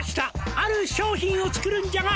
「ある商品を作るんじゃが」